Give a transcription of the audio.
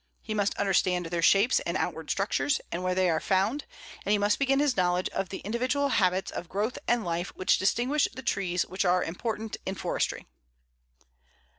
He must understand their shapes and outward structures, and where they are found, and he must begin his knowledge of the individual habits of growth and life which distinguish the trees which are important in forestry.